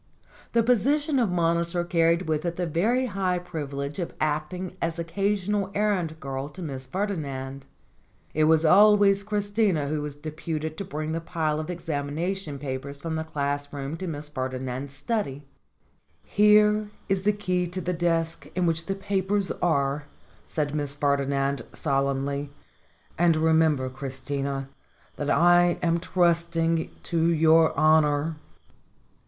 The position of monitor carried with it the very high privilege of acting as occasional errand girl to Miss Ferdinand. It was always Christina who was deputed to bring the pile of examination papers from the class room to Miss Ferdinand's study. "Here is the key to the desk in which the papers are," said Miss Ferdinand solemnly. "And remember, Christina, that I am trusting to your honor."